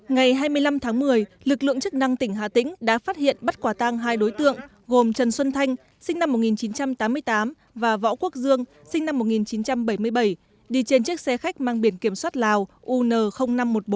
ngày hai mươi năm tháng một mươi lực lượng chức năng tỉnh hà tĩnh đã phát hiện bắt quả tang hai đối tượng gồm trần xuân thanh sinh năm một nghìn chín trăm tám mươi tám và võ quốc dương sinh năm một nghìn chín trăm bảy mươi bảy đi trên chiếc xe khách mang biển kiểm soát lào un năm trăm một mươi bốn